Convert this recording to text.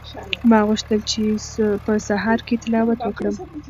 ما غوښتل چې په سهار کې تلاوت وکړم.